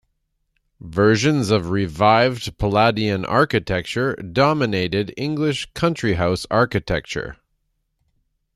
Versions of revived Palladian architecture dominated English country house architecture.